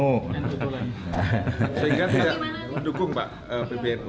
sehingga tidak mendukung pak pbnu